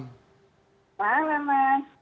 selamat malam mas